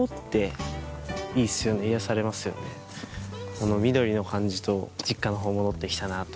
この緑の感じと実家の方戻ってきたなぁと。